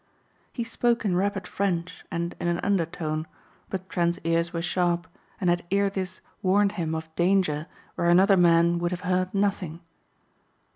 He spoke in rapid French and in an undertone but Trent's ears were sharp and had ere this warned him of danger where another man would have heard nothing.